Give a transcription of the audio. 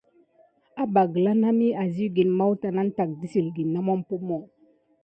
Abba gəla naməhi aziwgine mawta nane tack dəssilgəne na mompum.